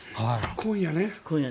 今夜ね。